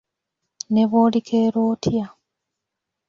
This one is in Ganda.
Ne bw’olikeera otya.